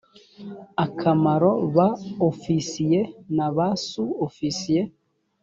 akamaro ba ofisiye ba su ofisiye